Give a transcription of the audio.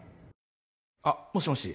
あっもしもし。